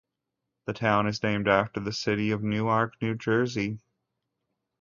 The town is named after the city of Newark, New Jersey.